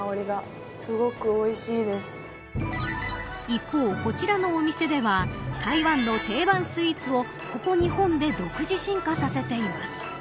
一方、こちらのお店では台湾の定番スイーツをここ日本で独自進化させています。